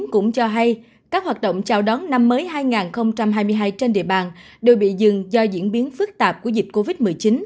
cũng cho hay các hoạt động chào đón năm mới hai nghìn hai mươi hai trên địa bàn đều bị dừng do diễn biến phức tạp của dịch covid một mươi chín